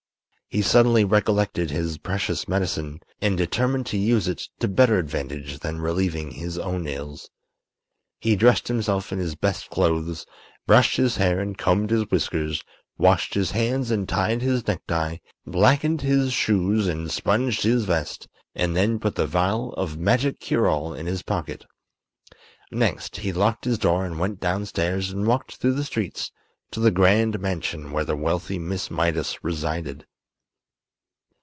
He suddenly recollected his precious medicine, and determined to use it to better advantage than relieving his own ills. He dressed himself in his best clothes, brushed his hair and combed his whiskers, washed his hands and tied his necktie, blackened his shoes and sponged his vest, and then put the vial of magic cure all in his pocket. Next he locked his door, went downstairs and walked through the streets to the grand mansion where the wealthy Miss Mydas resided.